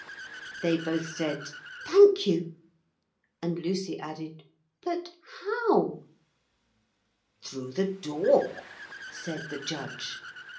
They both said 'Thank you,' and Lucy added: 'But how?' 'Through the door,' said the judge.